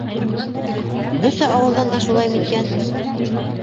Бөтә ауылдан да шулаймы икән?